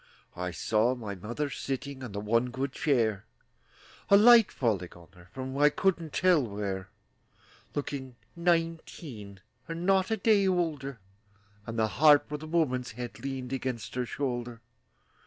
I saw my mother sitting On the one good chair, A light falling on her From I couldn't tell where, Looking nineteen, And not a day older, And the harp with a woman's head Leaned against her shoulder.